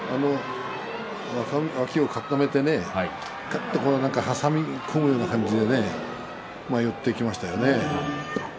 脇を固めてがっと挟み込むような感じで寄っていきましたよね。